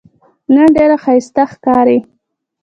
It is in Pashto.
نن ډېره ښایسته ښکارې